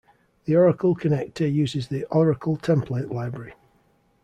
The Oracle connector uses the Oracle Template Library.